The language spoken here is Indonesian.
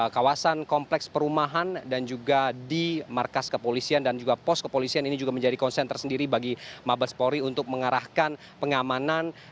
kawasan kompleks perumahan dan juga di markas kepolisian dan juga pos kepolisian ini juga menjadi konsen tersendiri bagi mabespori untuk mengarahkan pengamanan